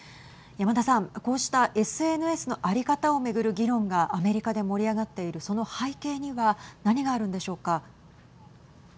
山田さん、こうしたＳＮＳの在り方をめぐる議論がアメリカで盛り上がっているその背景には何があるんでしょうか。